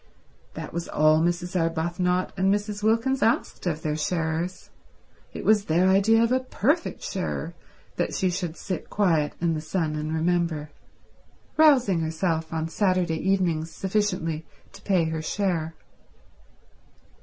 That was all Mrs. Arbuthnot and Mrs. Wilkins asked of their sharers. It was their idea of a perfect sharer that she should sit quiet in the sun and remember, rousing herself on Saturday evenings sufficiently to pay her share.